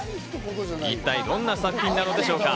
一体、どんな作品なんでしょうか？